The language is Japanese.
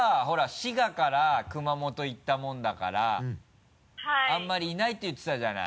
滋賀から熊本行ったもんだからあんまりいないって言ってたじゃない。